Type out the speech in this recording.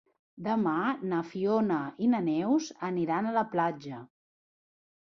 Demà na Fiona i na Neus aniran a la platja.